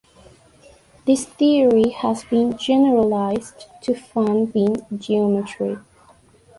This theory has been generalized to fan-beam geometry.